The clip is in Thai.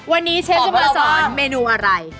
วันนี้เชฟจะมาสอนเมนูอะไร